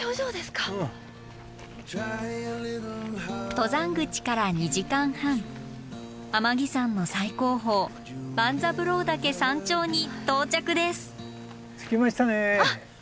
登山口から２時間半天城山の最高峰万三郎岳山頂に到着です。